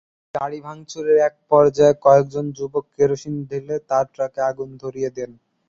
গাড়ি ভাঙচুরের একপর্যায়ে কয়েকজন যুবক কেরোসিন ঢেলে তাঁর ট্রাকে আগুন ধরিয়ে দেন।